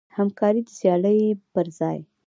همکاري د سیالۍ پر ځای.